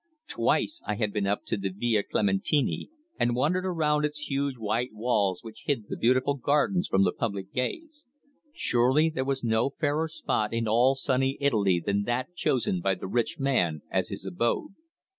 Twice I had been up to the Villa Clementini, and wandered around its high white walls which hid the beautiful gardens from the public gaze. Surely there was no fairer spot in all sunny Italy than that chosen by the rich man as his abode.